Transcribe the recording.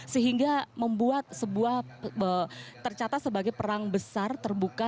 sehingga membuat sebuah tercatat sebagai perang besar terbuka